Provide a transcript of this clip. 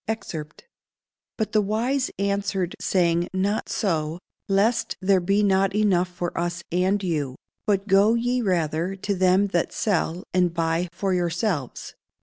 [Verse: "But the wise answered saying, Not so; lest there be not enough for us and you: but go ye rather to them that sell, and buy for yourselves."